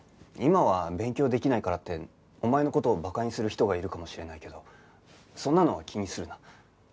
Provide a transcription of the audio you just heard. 今は勉強できないからってお前の事をバカにする人がいるかもしれないけどそんなのは気にするな。